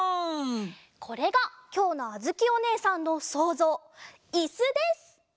これがきょうのあづきおねえさんのそうぞういすです！